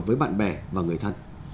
với bạn bè và người thân